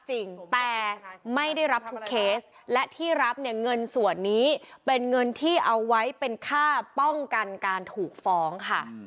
จริงแต่ไม่ได้รับทุกเคสและที่รับเนี่ยเงินส่วนนี้เป็นเงินที่เอาไว้เป็นค่าป้องกันการถูกฟ้องค่ะ